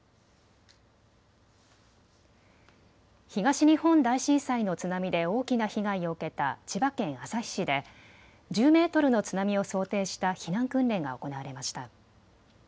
東日本大震災の津波で大きな被害を受けた千葉県旭市で１０メートルの津波を想定した避難訓練が行われました。